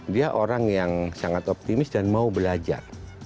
dia orang yang sangat optimis dan mau belajar